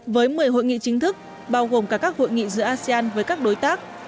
với một mươi hội nghị chính thức bao gồm cả các hội nghị giữa asean với các đối tác